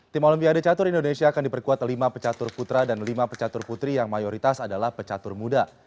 tim olimpiade catur indonesia akan diperkuat lima pecatur putra dan lima pecatur putri yang mayoritas adalah pecatur muda